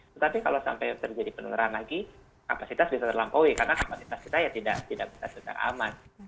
tetapi kalau sampai terjadi penularan lagi kapasitas bisa terlampaui karena kapasitas kita ya tidak bisa secara aman